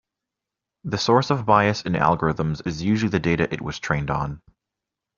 The source of bias in algorithms is usually the data it was trained on.